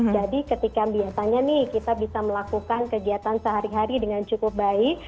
jadi ketika biasanya nih kita bisa melakukan kegiatan sehari hari dengan cukup baik